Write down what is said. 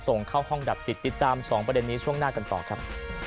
ส่งเข้าห้องดับจิตติดตาม๒ประเด็นนี้ช่วงหน้ากันต่อครับ